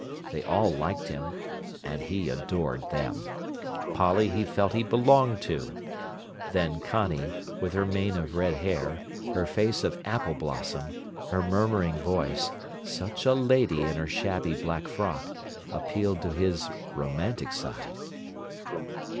They all liked him, and he adored them. Polly he felt he belonged to. Then Connie, with her mane of red hair, her face of apple blossom, her murmuring voice, such a lady in her shabby black frock, appealed to his romantic side.